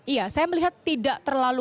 iya saya melihat tidak terlalu